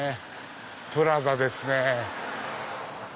プラダですね。